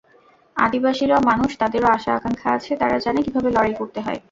আদিবাসীরাও মানুষ, তাদেরও আশা-আকাঙ্ক্ষা আছে, তারা জানে কীভাবে লড়াই করতে হয়।